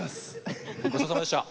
ごちそうさまでした。